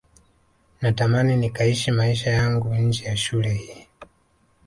natamani nikaishi maisha yangu nje ya shule hii